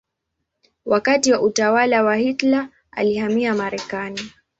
Wakati wa utawala wa Hitler alihamia Marekani.